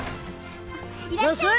いらっしゃい！